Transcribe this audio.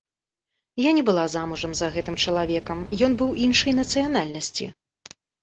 Я не была замужам за гэтым чалавекам, ён быў іншай нацыянальнасці.